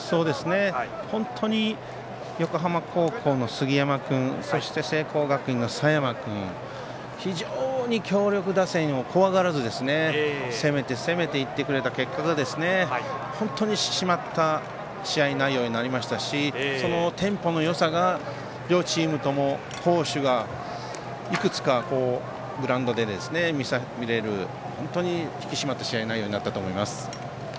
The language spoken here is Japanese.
本当に横浜高校の杉山君そして、聖光学院の佐山君非常に強力打線を怖がらずせめて攻めていってくれた結果が本当に締まった試合内容になりましたしそのテンポのよさが両チームとも好守がいくつかグラウンドで見られる引き締まった試合になったと思います。